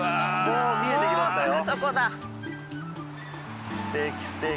もう見えてきましたよ